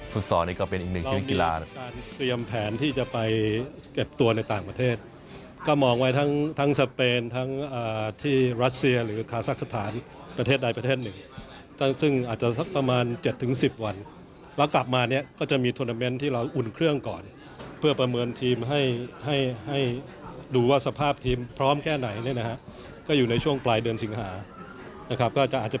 พุทธศอร์นี้ก็เป็นอีกหนึ่งชีวิตกีฬานะครับ